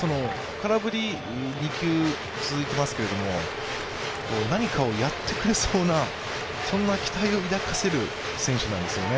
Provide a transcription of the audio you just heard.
空振り２球続きますけれども、何かをやってくれそうな期待を抱かせる選手なんですよね。